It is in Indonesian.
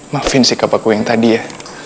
maafin sikap aku yang tadi ya